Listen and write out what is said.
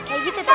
kayak gitu toh